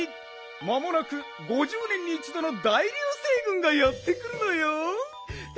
まもなく５０年にいちどの大りゅう星ぐんがやってくるのよん。